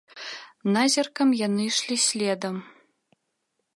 Назіркам яны ішлі следам.